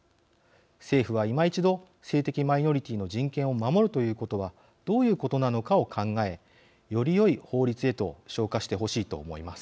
政府は今一度性的マイノリティーの人権を守るということはどういうことなのかを考えよりよい法律へと昇華してほしいと思います。